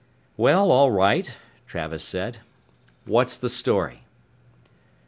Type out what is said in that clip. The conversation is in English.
"Well all right," Travis said, "what's the story?"